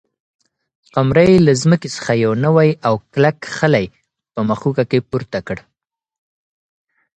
قمرۍ له ځمکې څخه یو نوی او کلک خلی په مښوکه کې پورته کړ.